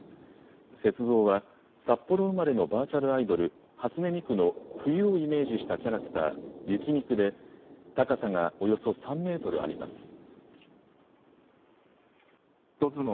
雪像は札幌生まれのバーチャルアイドル、初音ミクの冬をイメージしたキャラクター、雪ミクで、高さがおよそ３メートルあります。